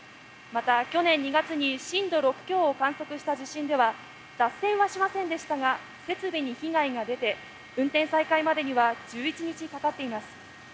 また、去年２月に震度６強を観測した地震では脱線はしませんでしたが設備に被害が出て運転再開までには１１日かかっています。